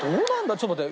ちょっと待って。